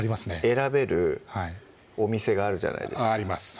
選べるお店があるじゃないですかあります